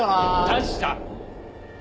確か！